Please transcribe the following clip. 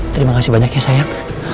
terima kasih banyak ya sayang